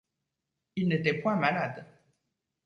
Il n’était point malade.